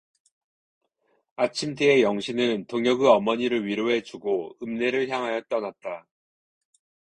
아침 뒤에 영신은 동혁의 어머니를 위로해 주고 읍내를 향하여 떠났다.